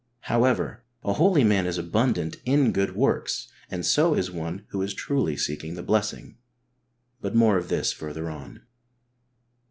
'' However, a holy man is abundant in good works, and so is one who is truly seeking the blessing. But more of this further on.